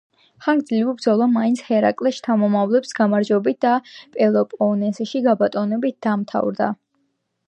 ხანგძლივი ბრძოლა მაინც ჰერაკლეს შთამომავლების გამარჯვებით და პელოპონესში გაბატონებით დამთავრდა.